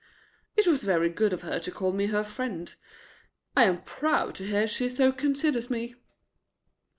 "It was very good of her to call me her friend. I am proud to hear she so considers me."